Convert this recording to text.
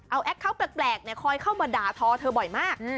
เอาแอคเคาน์แปลกคอยเข้ามาด่าทอเธอบ่อยมาก